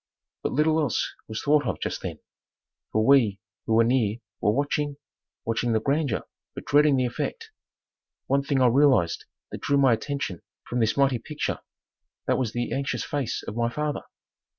But little else was thought of just then for we who were near were watching, watching the grandeur but dreading the effect. One thing I realized that drew my attention from this mighty picture, that was the anxious face of my father.